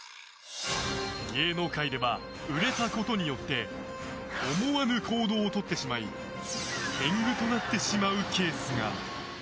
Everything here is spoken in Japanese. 芸能界では、売れたことによって思わぬ行動をとってしまい天狗となってしまうケースが。